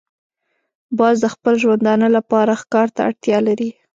باز د خپل ژوندانه لپاره ښکار ته اړتیا لري